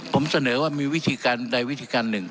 ผมเสนอว่ามีวิธีการใดวิธีการหนึ่ง